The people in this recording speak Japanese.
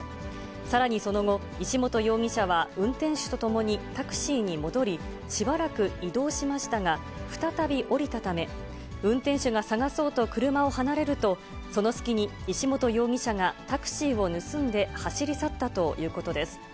さらにその後、石本容疑者は運転手と共にタクシーに戻り、しばらく移動しましたが、再び降りたため、運転手が捜そうと車を離れると、その隙に石本容疑者がタクシーを盗んで走り去ったということです。